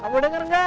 kamu denger ga